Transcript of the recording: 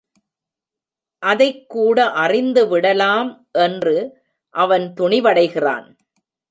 அதைக்கூட அறிந்துவிடலாம் என்று அவன் துணிவடைகிறான்.